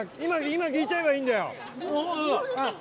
今聞いちゃえばいいんだよ。